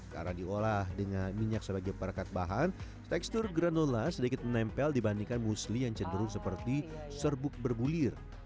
karena diolah dengan minyak sebagai perkat bahan tekstur granula sedikit menempel dibandingkan muesli yang cenderung seperti serbuk berbulir